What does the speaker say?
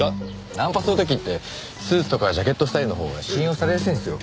ナンパする時ってスーツとかジャケットスタイルのほうが信用されやすいんですよ。